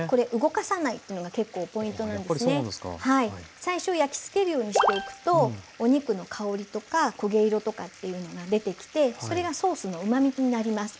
最初焼きつけるようにしておくとお肉の香りとか焦げ色とかっていうのが出てきてそれがソースのうまみになります。